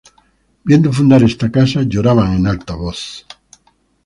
viendo fundar esta casa, lloraban en alta voz.